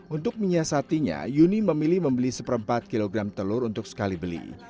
untuk minyak satinya yuni memilih membeli satu empat kilogram telur untuk sekali beli